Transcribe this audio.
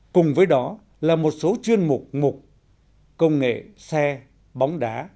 cùng với đó là một số chuyên mục mục công nghệ xe bóng đá